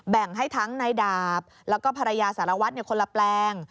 แบ่งให้ทั้งในดาบแล้วก็ภรรยาสารวัตรคนละแปลง